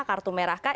kartu merah kah